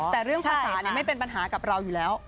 แต่เรื่องภาษาไม่เป็นปัญหากับเราอยู่แล้ว